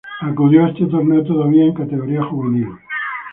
Acudió a este torneo todavía en categoría juvenil.